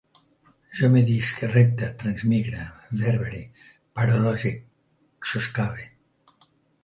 Jo medisc, repte, transmigre, verbere, parolege, soscave